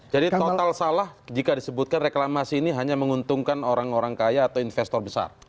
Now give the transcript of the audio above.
jadi total salah jika disebutkan reklamasi ini hanya menguntungkan orang orang kaya atau investor besar